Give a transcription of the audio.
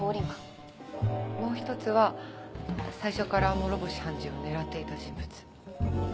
もう一つは最初から諸星判事を狙っていた人物。